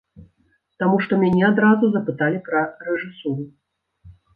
Таму што мяне адразу запыталі пра рэжысуру.